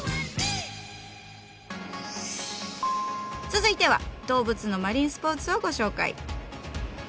続いては動物のマリンスポーツをご紹介。